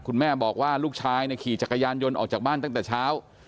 คุณแม่บอกว่าลูกชายขี่จักรยานยนต์ออกจากบ้านตั้งแต่เช้า